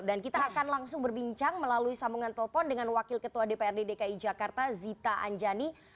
dan kita akan langsung berbincang melalui sambungan telepon dengan wakil ketua dprd dki jakarta zita anjani